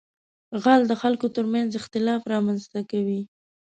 غل د خلکو تر منځ اختلاف رامنځته کوي